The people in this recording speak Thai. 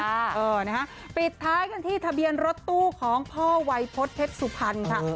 เออนะฮะปิดท้ายกันที่ทะเบียนรถตู้ของพ่อวัยพฤษเพชรสุพรรณค่ะ